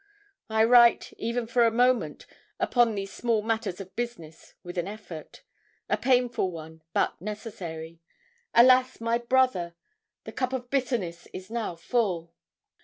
I write, even for a moment, upon these small matters of business with an effort a painful one, but necessary. Alas! my brother! The cup of bitterness is now full.